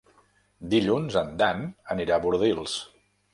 Dilluns en Dan anirà a Bordils.